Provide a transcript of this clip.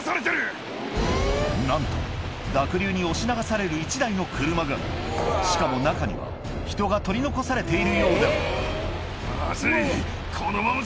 なんと濁流に押し流される１台の車がしかも中には人が取り残されているようだまずい。